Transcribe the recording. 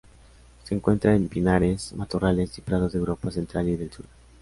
Se encuentra en pinares, matorrales y prados de Europa central y del sur.